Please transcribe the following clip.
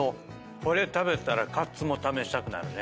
これ食べたらカツも試したくなるね。